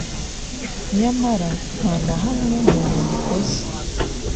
nyamara nta na hamwe mu nyandiko ze